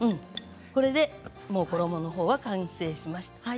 これで衣のほうは完成しました。